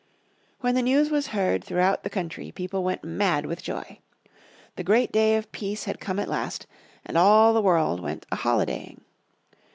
When the news was heard throughout the country people went mad with joy. The great day of peace had come at last, and all the world went a holidaying.